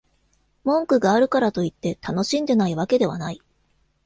文句があるからといって、楽しんでないわけではない